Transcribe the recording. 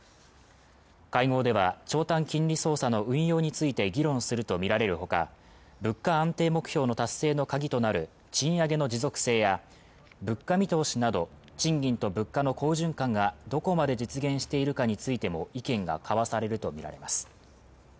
会合では長短金利操作の運用について議論するとみられるほか物価安定目標の達成の鍵となる賃上げの持続性や物価見通しなど賃金と物価の好循環がどこまで実現しているかについても意見が交わされるとみられます